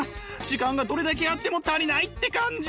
時間がどれだけあっても足りないって感じ？